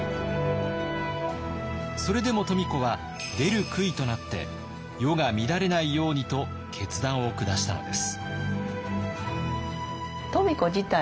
それでも富子は出る杭となって世が乱れないようにと決断を下したのです。